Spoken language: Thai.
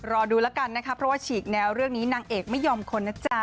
รอดูและกันพอว่าฉีกเนวเรื่องนี้นางเอกไม่ยอมคนน่ะจ๊ะ